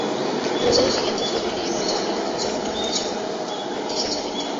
En los años siguientes fue adquiriendo otras minas y su fortuna creció vertiginosamente.